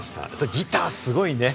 ギターがすごいね。